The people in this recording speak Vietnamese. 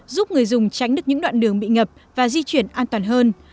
giúp người dùng tránh được những đoạn đường bị ngập và di chuyển an toàn hơn